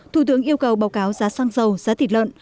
thủ tướng yêu cầu báo cáo giá xăng dầu giá thịt lợn